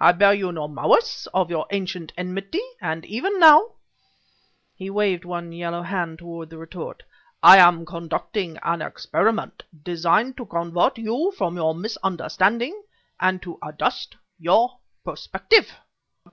I bear you no malice for your ancient enmity, and even now" he waved one yellow hand toward the retort "I am conducting an experiment designed to convert you from your misunderstanding, and to adjust your perspective."